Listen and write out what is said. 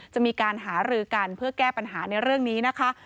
จะมีการหารือกันเพื่อแก้ปัญหาในเรื่องนี้นะคะ